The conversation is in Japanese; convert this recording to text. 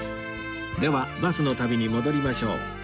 ではバスの旅に戻りましょう